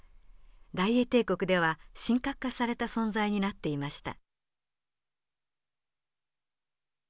大英帝国では神格化された存在になっていました。